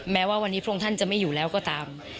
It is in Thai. แม้ว่าวันนี้พระองค์ท่านจะไม่อยู่แล้วก็ตาม